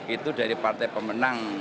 itu dari partai pemenang